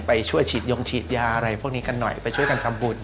ไปช่วยฉีดยงฉีดยาอะไรพวกนี้กันหน่อยไปช่วยกันทำบุญ